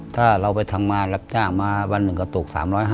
ถ้าเราไปทำงานรับจ้างมาวันหนึ่งก็ตก๓๕๐